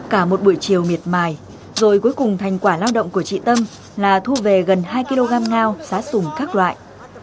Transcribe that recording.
cả một buổi chiều miệt mài rồi cuối cùng thành quả lao động của chị tâm là thu về gần hai kg ngao giá sùng các loại